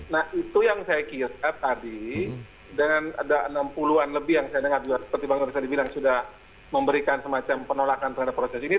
nah itu yang saya kira tadi dengan ada enam puluh an lebih yang saya dengar juga seperti bang doni tadi bilang sudah memberikan semacam penolakan terhadap proses ini